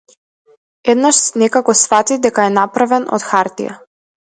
Еднаш некако сфати дека е направен од - хартија.